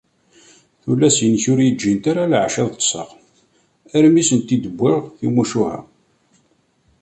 Tullas-a-inek ur i yi-ğğint ara leεca ad ṭṭseɣ armi i asent-id-wwiɣ timucuha.